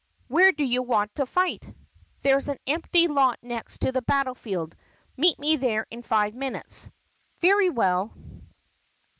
"Where do you want to fight?" "There 's an empty lot next to the battle field. Meet me there in five minutes." "Very well."